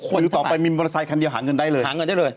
หรือต่อไปมีบริษัทคันเดียวหาจนได้เลยขีดตรงนู้นนี่นั่น